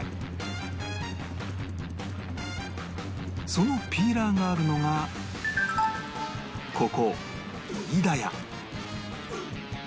そのピーラーがあるのがここ飯田屋